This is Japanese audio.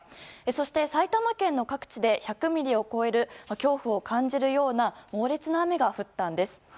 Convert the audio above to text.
そして、埼玉県の各地で１００ミリを超える恐怖を感じるような猛烈な雨が降ったんです。